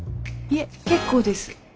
「いえ結構です」。